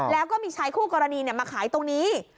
แล้วก็มีชายคู่กรณีมาขายตรงนี้